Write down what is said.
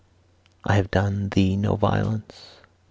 I have done thee no violence.